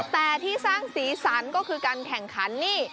แต่ที่สร้างสีสันก็คือการแข่งขันนี่